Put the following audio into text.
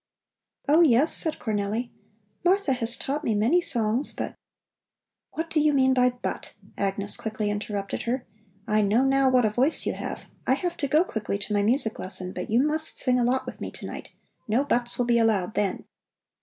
"Oh yes," said Cornelli. "Martha has taught me many songs, but " "What do you mean by but?" Agnes quickly interrupted her. "I know now what a voice you have. I have to go quickly to my music lesson, but you must sing a lot with me to night. No buts will be allowed then."